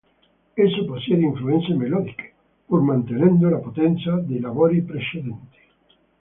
Esso possiede influenze melodiche, pur mantenendo la potenza dei lavori precedenti.